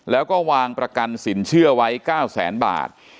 แล้วก็วางประกันสินเชื่อไว้๙แสนบาท